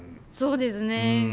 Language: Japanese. そうですね。